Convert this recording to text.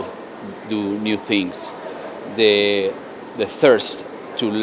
vì vậy tôi nghĩ đây là một lúc tốt